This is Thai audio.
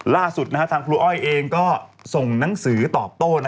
ล่าสุดทางครูอ้อยเองก็ส่งหนังสือตอบโต้